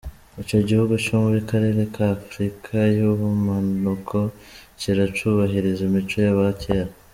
Ico gihugu co mu karere ka Afrika y'ubumanuko kiracubahiriza imico y'abakera.